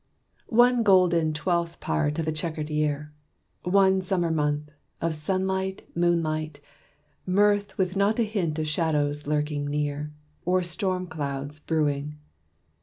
_ One golden twelfth part of a checkered year; One summer month, of sunlight, moonlight, mirth With not a hint of shadows lurking near, Or storm clouds brewing.